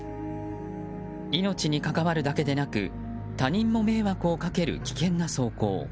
命にかかわるだけでなく他人にも迷惑をかける危険な走行。